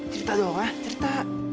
cerita doang ya cerita